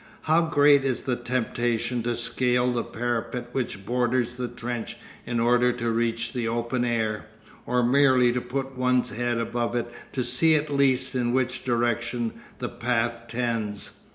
How great is the temptation to scale the parapet which borders the trench in order to reach the open air, or merely to put one's head above it to see at least in which direction the path tends.